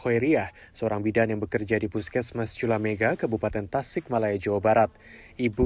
hoeriah seorang bidan yang bekerja di puskesmas culamega kebupaten tasik malaya jawa barat ibu